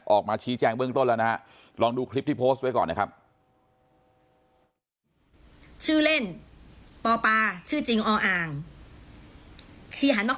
ออกมาชี้แจงเบื้องต้นแล้วนะฮะลองดูคลิปที่โพสต์ไว้ก่อนนะครับ